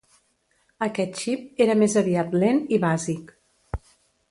Aquest xip era més aviat lent i bàsic.